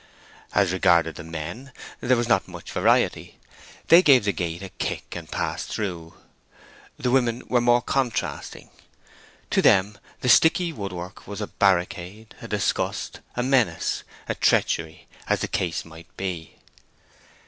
As regarded the men, there was not much variety: they gave the gate a kick and passed through. The women were more contrasting. To them the sticky wood work was a barricade, a disgust, a menace, a treachery, as the case might be.